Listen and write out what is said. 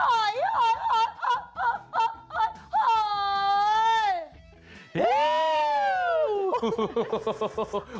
หอยหอยหอย